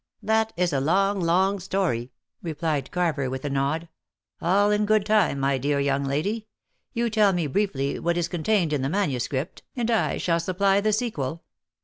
that is a long, long story," replied Carver with a nod. "All in good time, my dear young lady. You tell me briefly what is contained in the manuscript, and I shall supply the sequel.